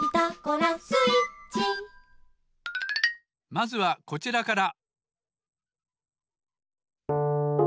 まずはこちらから。